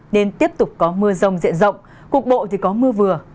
nên tiếp tục có mưa rông diện rộng cục bộ thì có mưa vừa